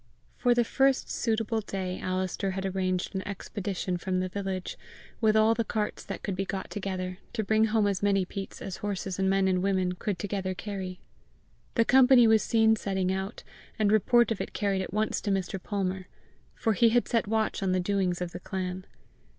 For the first suitable day Alister had arranged an expedition from the village, with all the carts that could be got together, to bring home as many peats as horses and men and women could together carry. The company was seen setting out, and report of it carried at once to Mr. Palmer; for he had set watch on the doings of the clan.